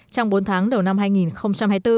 trong bốn tháng đầu năm hai nghìn hai mươi bốn